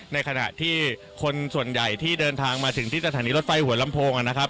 ในขณะที่คนส่วนใหญ่ที่เดินทางมาถึงที่สถานีรถไฟหัวลำโพงนะครับ